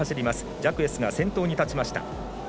ジャクエスが先頭に立ちました。